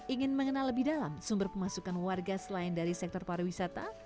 ingin mengenal lebih dalam sumber pemasukan warga selain dari sektor pariwisata